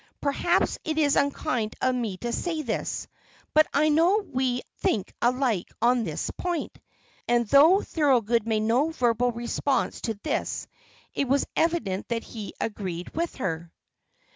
Perhaps it is unkind of me to say this, but I know we think alike on this point;" and though Thorold made no verbal response to this, it was evident that he agreed with her.